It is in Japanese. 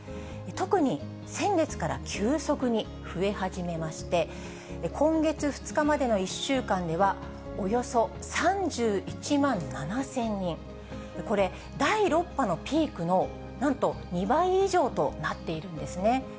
特に先月から急速に増え始めまして、今月２日までの１週間では、およそ３１万７０００人、これ、第６波のピークのなんと２倍以上となっているんですね。